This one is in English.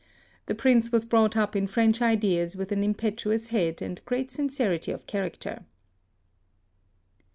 The Prince was brought up in French ideas with an impetuous head and great sincerity of character.